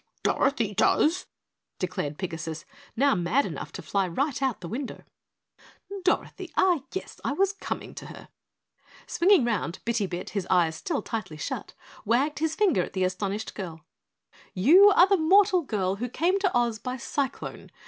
"Dorothy does," declared Pigasus, now mad enough to fly right out the window. "Dorothy? Ah, yes, I was coming to her." Swinging around, Bitty Bit, his eyes still tightly shut, wagged his finger at the astonished little girl. "You are the mortal girl who came to Oz by cyclone.